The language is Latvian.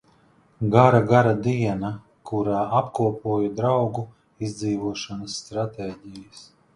Gara, gara diena, kurā apkopoju draugu izdzīvošanas stratēģijas.